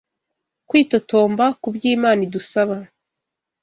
kwitotomba ku byo Imana idusaba.